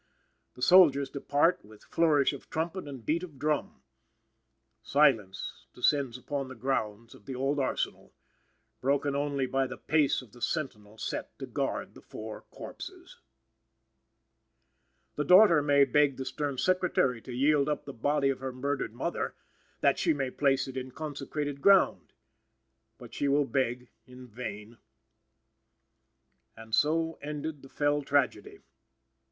The soldiers depart with flourish of trumpet and beat of drum. Silence descends on the grounds of the old Arsenal; broken only by the pace of the sentinel set to guard the four corpses. The daughter may beg the stern Secretary to yield up the body of her murdered mother, that she may place it in consecrated ground. But she will beg in vain. And so ended the fell tragedy.